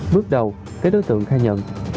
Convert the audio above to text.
bước đầu cái đối tượng khai nhận